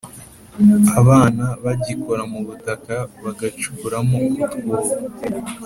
abana bagikora mu butaka bagacukuramo utwobo.